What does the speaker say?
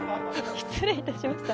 失礼いたしました。